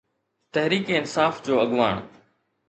تحريڪ انصاف جو اڳواڻ.